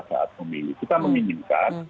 saat memilih kita menginginkan